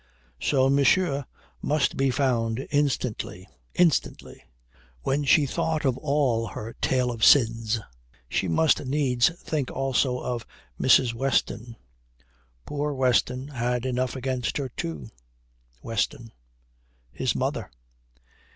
So monsieur must be found instantly, instantly. When she thought of all her tale of sins, she must needs think also of Mrs. Weston. Poor Weston had enough against her too Weston his mother.